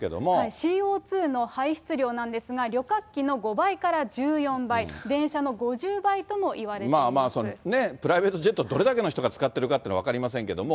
ＣＯ２の排出量なんですが、旅客機の５倍から１４倍、まあまあ、プライベートジェット、どれだけの人が使ってるかっていうのは分かりませんけども。